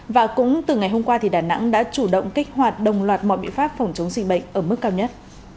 và cũng từ ngày hôm qua đà nẵng đã chủ động kích hoạt đồng loạt mọi biện pháp phòng chống dịch bệnh ở mức cao nhất